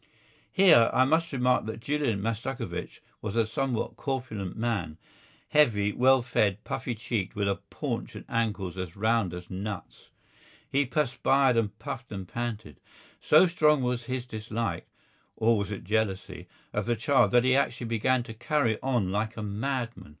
Here I must remark that Julian Mastakovich was a somewhat corpulent man, heavy, well fed, puffy cheeked, with a paunch and ankles as round as nuts. He perspired and puffed and panted. So strong was his dislike (or was it jealousy?) of the child that he actually began to carry on like a madman.